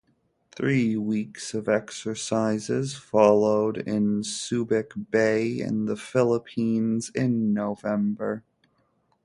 Three weeks of exercises followed in Subic Bay in the Philippines in November.